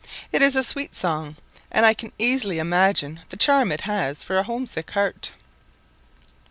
It is a sweet song, and I can easily imagine the charm it has for a home sick heart.